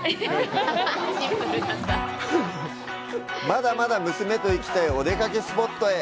まだまだ娘と行きたいおでかけスポットへ。